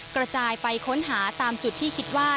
กระจายไปค้นหาตามจุดที่คิดว่า